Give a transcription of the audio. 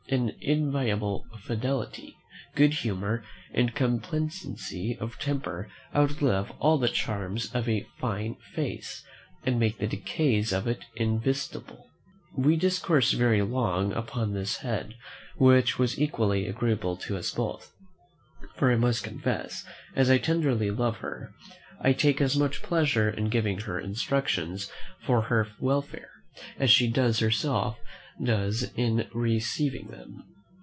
An inviolable fidelity, good humour, and complacency of temper outlive all the charms of a fine face, and make the decays of it invisible." We discoursed very long upon this head, which was equally agreeable to us both; for I must confess, as I tenderly love her, I take as much pleasure in giving her instructions for her welfare as she herself does in receiving them.